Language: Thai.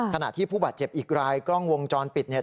ขณะที่ผู้บาดเจ็บอีกรายกล้องวงจรปิดเนี่ย